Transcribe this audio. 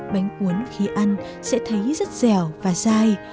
bánh cuốn khi ăn sẽ thấy rất dẻo và dai